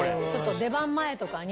出番前とかに。